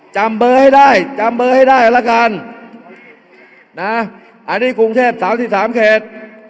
จำเบอร์ให้ได้จำเบอร์ให้ได้ละกันนะอันนี้กรุงเทพสามสิบสามเขต